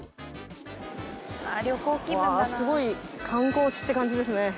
すごい観光地って感じですね。